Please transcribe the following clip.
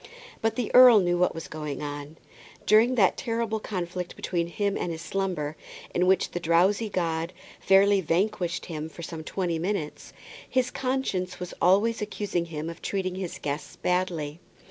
But the earl knew what was going on. During that terrible conflict between him and his slumber, in which the drowsy god fairly vanquished him for some twenty minutes, his conscience was always accusing him of treating his guests badly.